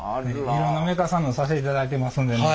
いろんなメーカーさんのさせていただいてますんでね。